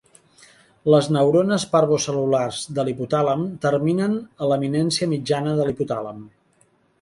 Les neurones parvocel·lulars de l"hipotàlem terminen a l"eminència mitjana de l"hipotàlem.